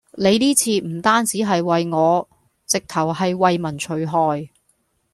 你呢次唔單止係為我，直頭係為民除害